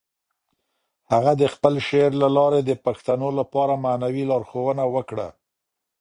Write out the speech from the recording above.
هغه د خپل شعر له لارې د پښتنو لپاره معنوي لارښوونه وکړه.